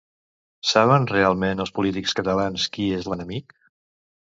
Saben realment els polítics catalans qui és l'enemic?